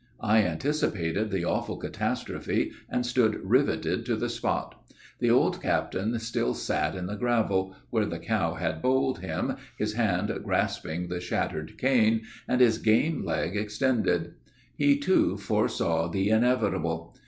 I anticipated the awful catastrophe, and stood riveted to the spot. The old captain still sat in the gravel, where the cow had bowled him, his hand grasping the shattered cane, and his game leg extended. He too foresaw the inevitable.